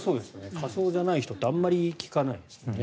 火葬じゃない人はあまり聞かないですね。